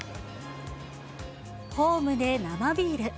ホームで生ビール。